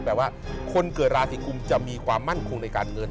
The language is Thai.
แปลว่าคนเกิดราศีกุมจะมีความมั่นคงในการเงิน